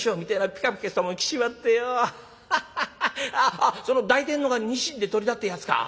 あっその抱いてんのがニシンでトリだってやつか？